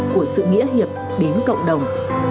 của sự nghĩa hiệp đến cộng đồng